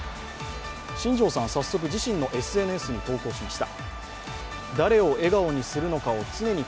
新庄さん、早速自身のＳＮＳに投稿しました。